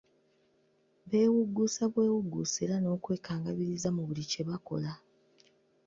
Bewugguusa bwewugguusa era n'okwekangabiriza mu buli kye bakola.